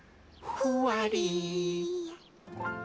「ふわり」